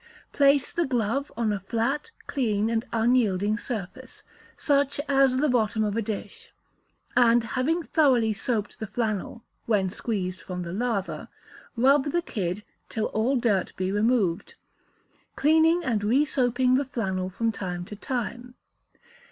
Place the glove on a flat, clean, and unyielding surface such as the bottom of a dish, and having thoroughly soaped the flannel (when squeezed from the lather), rub the kid till all dirt be removed, cleaning and re soaping the flannel from time to time.